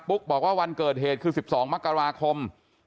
บอกว่าวันเกิดเหตุคือ๑๒มกราคม